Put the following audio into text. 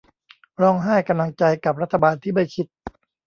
ร้องไห้กำลังใจกับรัฐบาลที่ไม่คิด